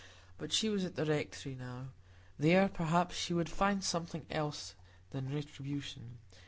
But she was at the Rectory now; there, perhaps, she would find something else than retribution.